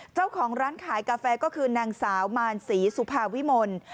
เจ้าของร้านขายกาแฟก็คือนางสาวมารศรีสุภาวิมล